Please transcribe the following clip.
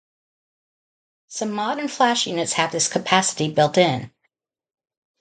Some modern flash units have this capacity built in.